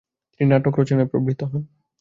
তিনি নাটক রচনায় প্রবৃত্ত হন।